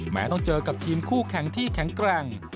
ต้องเจอกับทีมคู่แข่งที่แข็งแกร่ง